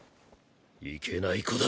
いけない子だ！！